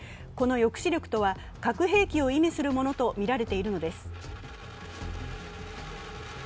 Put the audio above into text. この抑止力とは核兵器を意味するものとみられているのです。